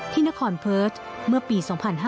ที่นครเพิร์ชเมื่อปี๒๕๑๙